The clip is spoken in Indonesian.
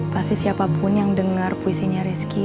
pasti siapapun yang dengar puisinya rizky